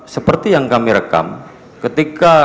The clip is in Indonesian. seperti yang kami rekam ketika